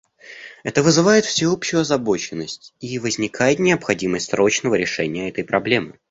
Это вызывает всеобщую озабоченность, и возникает необходимость срочного решения этой проблемы.